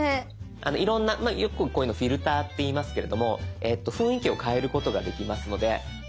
いろんなよくこういうのを「フィルター」っていいますけれども雰囲気を変えることができますので。